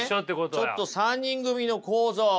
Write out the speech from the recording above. じゃあねちょっと３人組の構造。